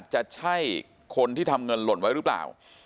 จะใช่คนที่ทำเงินหล่นไว้หรือเปล่า